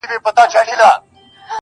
• زرکي هم کرار کرار هوښیارېدلې -